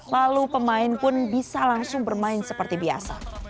lalu pemain pun bisa langsung bermain seperti biasa